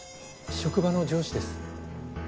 職場の上司です。